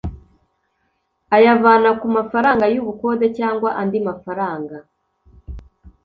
ayavana ku mafaranga y ubukode cyangwa andi mafaranga